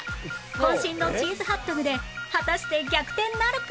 渾身のチーズハットグで果たして逆転なるか？